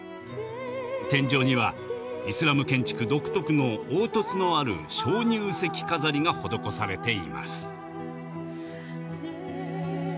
天井にはイスラム建築独特の凹凸のある鍾乳石飾りが施されています。